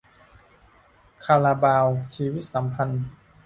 คาราบาว 'ชีวิตสัมพันธ์'